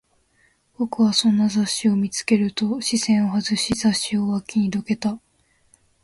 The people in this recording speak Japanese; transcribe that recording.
僕はそんな雑誌を見つけると、視線を外し、雑誌を脇にどけた